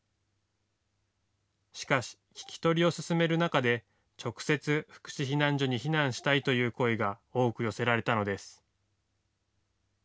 しかし聞き取りを進める中で直接、福祉避難所に避難したいという声が多く寄せられたのです。